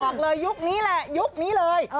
บอกเลยยุคนี้แหละยุคนี้เลย